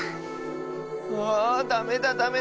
あダメだダメだ！